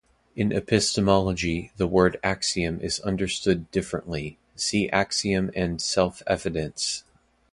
In epistemology, the word "axiom" is understood differently; see axiom and self-evidence.